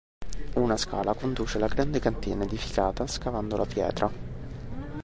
Una scala conduce alla grande cantina, edificata scavando la pietra.